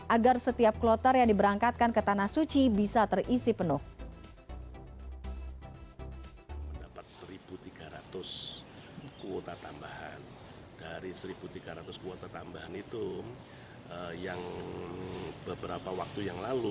agar setiap kloter yang diberangkatkan ke tanahnya